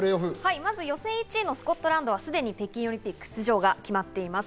予選１位のスコットランドはすでに北京オリンピック出場が決まっています。